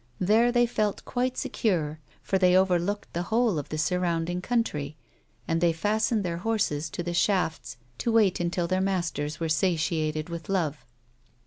There they felt quite secure, for they overlooked the whole of the surrounding country, and they fastened their horses to the shafts to wait until their masters were satiated with love.